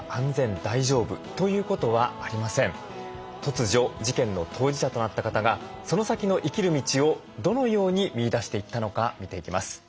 突如事件の当事者となった方がその先の生きる道をどのように見いだしていったのか見ていきます。